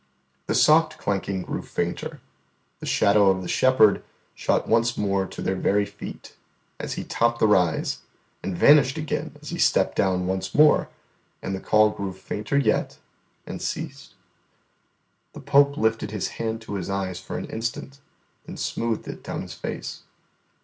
The soft clanking grew fainter, the shadow of the shepherd shot once to their very feet, as he topped the rise, and vanished again as he stepped down once more; and the call grew fainter yet, and ceased. The Pope lifted His hand to His eyes for an instant, then smoothed it down His face.